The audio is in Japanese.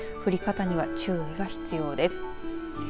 降り方には注意が必要です。